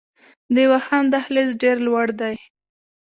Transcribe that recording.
د واخان دهلیز ډیر لوړ دی